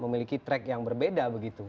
memiliki track yang berbeda begitu